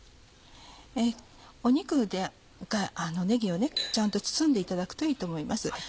肉でねぎをちゃんと包んでいただくといいと思います。